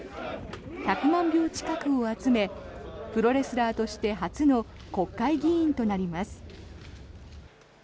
１００万票近くを集めプロレスラーとして初の国会議員となります。